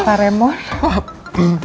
terima kasih pak remor